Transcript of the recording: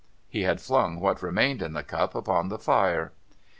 He had flung what remained in the cup upon the fire.